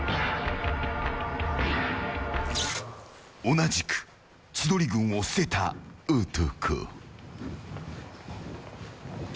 同じく千鳥軍を捨てた男。